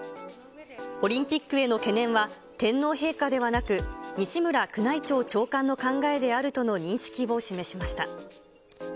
オリンピックへの懸念は、天皇陛下ではなく、西村宮内庁長官の考えであるとの認識を示しました。